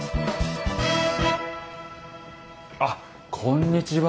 あっこんにちは。